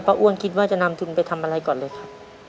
อ้วนคิดว่าจะนำทุนไปทำอะไรก่อนเลยครับ